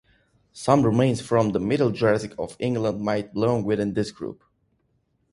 Some remains from the Middle Jurassic of England might belong within this group.